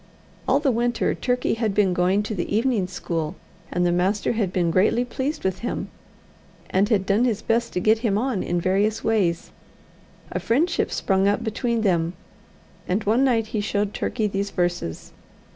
All the winter, Turkey had been going to the evening school, and the master had been greatly pleased with him, and had done his best to get him on in various ways. A friendship sprung up between them; and one night he showed Turkey these verses.